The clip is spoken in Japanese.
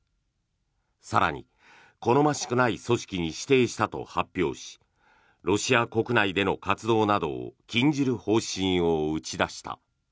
更に、好ましくない組織に指定したと発表しロシア国内での活動などを禁じる方針を打ち出した。